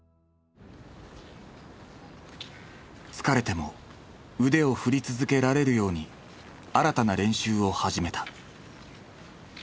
疲れても腕を振り続けられるように新たな練習を始めた。